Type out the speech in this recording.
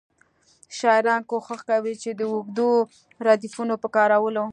شاعران کوښښ کوي د اوږدو ردیفونو په کارولو.